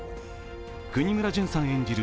國村隼さん演じる